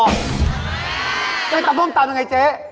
มันเป็นตำส้มตำยังไงเจ๊